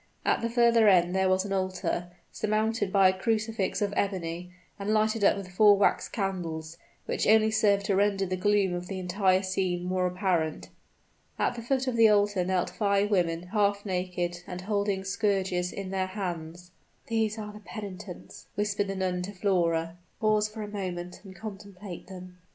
At the further end there was an altar, surmounted by a crucifix of ebony, and lighted up with four wax candles, which only served to render the gloom of the entire scene more apparent. At the foot of the altar knelt five women, half naked, and holding scourges in their hands. "These are the penitents," whispered the nun to Flora. "Pause for a moment and contemplate them."